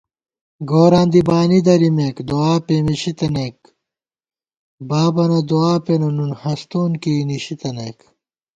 گوراں دی بانی درِمېک دُعاپېمېشی تنَئیک * بابَنہ دُعا پېنہ نُن ہستون کېئی نِشِتَنَئیک